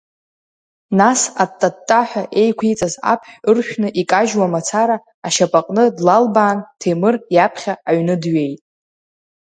Нас аттаттаҳәа еиқәиҵаз аԥҳә ыршәны икажьуа мацара, ашьапаҟны длалабаан, Ҭемыр иаԥхьа аҩны дҩеит.